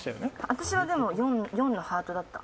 私は４のハートだった。